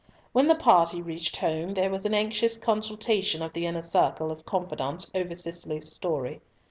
When the party reached home, there was an anxious consultation of the inner circle of confidantes over Cicely's story.